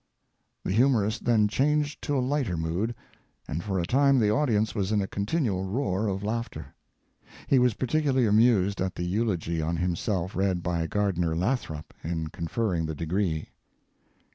[The humorist then changed to a lighter mood, and for a time the audience was in a continual roar of laughter. He was particularly amused at the eulogy on himself read by Gardiner Lathrop in conferring the degree.